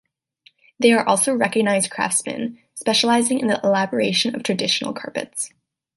They are also recognized craftsmen, specializing in the elaboration of traditional carpets.